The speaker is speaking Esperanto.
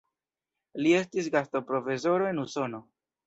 Li estis gastoprofesoro en Usono.